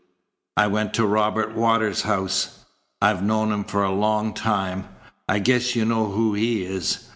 I went to Robert Waters's house. I've known him for a long time. I guess you know who he is.